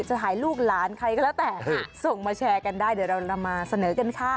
จะถ่ายลูกหลานใครก็แล้วแต่ส่งมาแชร์กันได้เดี๋ยวเรามาเสนอกันค่ะ